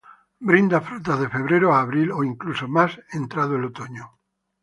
Brinda frutas de febrero a abril o incluso más entrado el otoño.